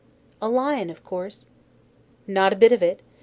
"A lion, of course!" Not a bit of it!